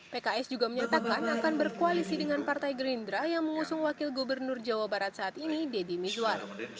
pks juga menyatakan akan berkoalisi dengan partai gerindra yang mengusung wakil gubernur jawa barat saat ini deddy mizwar